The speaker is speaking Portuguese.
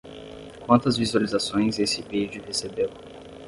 Quantas visualizações esse vídeo recebeu?